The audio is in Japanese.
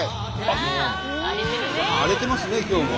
荒れてますね今日も。